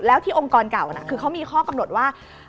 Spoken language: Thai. แล้วที่องค์กรเก่าคือเขามีข้อกำหนดว่า